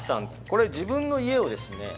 これ自分の家をですね